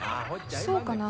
そうかな。